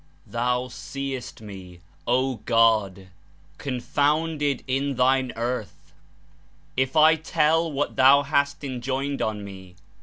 "Thou seest me, O God, confounded in Thine earth; if I tell what Thou hast enjoined on me.